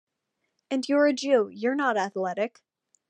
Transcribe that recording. And you are a Jew, you're not athletic.